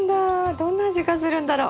どんな味がするんだろ？